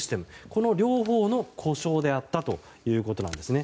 この両方の故障であったということなんですね。